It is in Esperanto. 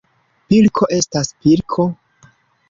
Pilko estas pilko.